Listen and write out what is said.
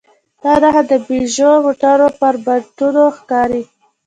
دا نښه د پيژو موټرو پر بانټونو ښکاري.